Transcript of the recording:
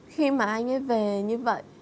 khi mà anh ấy về như vậy